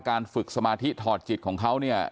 ฝึกสมาธิถอดจิตของเขาเนี่ย